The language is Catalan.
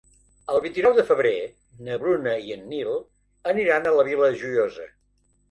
El vint-i-nou de febrer na Bruna i en Nil aniran a la Vila Joiosa.